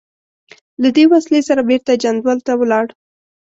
له دې وسلې سره بېرته جندول ته ولاړ.